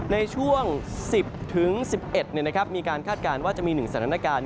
ในช่วง๑๐๑๑มีการคาดการณ์ว่าจะมี๑สถานการณ์